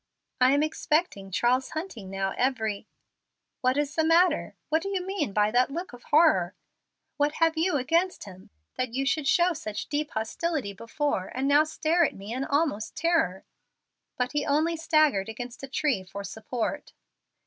I am expecting Charles Hunting now every "What is the matter? What do you mean by that look of horror? What have you against him, that you should show such deep hostility before, and now stare at me in almost terror?" But he only staggered against a tree for support.